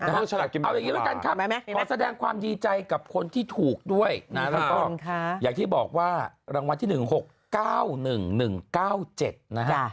เอาอย่างนี้ละกันครับขอแสดงความดีใจกับคนที่ถูกด้วยนะแล้วก็อย่างที่บอกว่ารางวัลที่๑๖๙๑๑๙๗นะฮะ